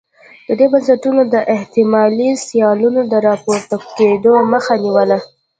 دې بنسټونو د احتمالي سیالانو د راپورته کېدو مخه نیوله.